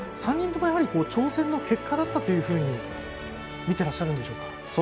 ３人とも挑戦の結果だったと見ていらっしゃるんでしょうか。